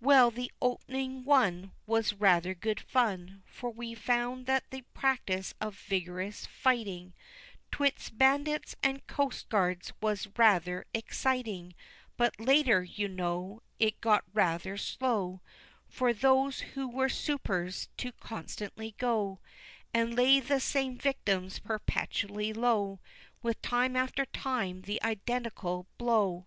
Well, the opening one Was rather good fun, For we found that the practice of vigorous fighting 'Twixt Bandits and Coastguards was rather exciting; But later, you know It got rather slow For those who were "supers" to constantly go And lay the same victims perpetually low, With time after time the identical blow.